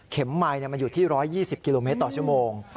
ไมค์มันอยู่ที่๑๒๐กิโลเมตรต่อชั่วโมง